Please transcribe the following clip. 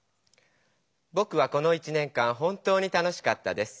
「ぼくはこの１年間本当に楽しかったです。